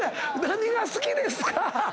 何が好きですか？